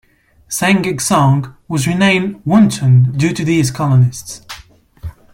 Seng ge gshong was renamed Wutun due to these colonists.